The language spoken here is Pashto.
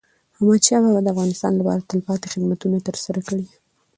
احمدشاه بابا د افغانستان لپاره تلپاتي خدمتونه ترسره کړي دي.